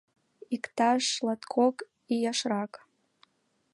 Иктаж латкок ияшрак.